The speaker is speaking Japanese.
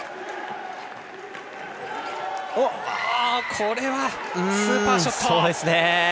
これは、スーパーショット。